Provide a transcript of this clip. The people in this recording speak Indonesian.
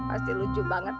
pasti lucu banget